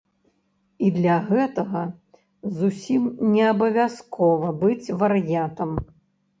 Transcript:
І для гэтага зусім неабавязкова быць вар'ятам.